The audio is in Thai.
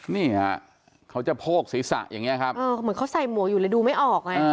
นี่ฮะเขาจะโพกศีรษะอย่างนี้ครับเออเหมือนเขาใส่หมวกอยู่เลยดูไม่ออกไง